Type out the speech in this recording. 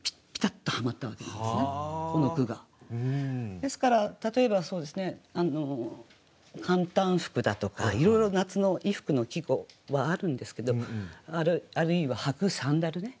ですから例えば「簡単服」だとかいろいろ夏の衣服の季語はあるんですけどあるいは履く「サンダル」ね。